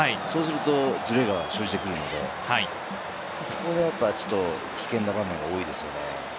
そうするとズレが生じてくるので、そこで危険な場面が多いですね。